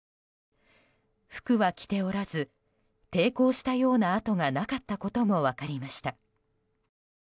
服は着ておらず抵抗したような痕がなかったことも分かりました。